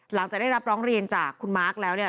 หลังจากได้รับร้องเรียนจากคุณมาร์คแล้วเนี่ย